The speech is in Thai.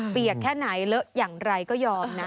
เปียกแค่ไหนเลอะอย่างไรก็ยอมนะ